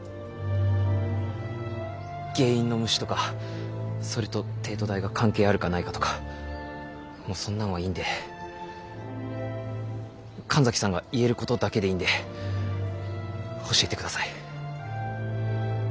原因の虫とかそれと帝都大が関係あるかないかとかもうそんなんはいいんで神崎さんが言えることだけでいいんで教えてください。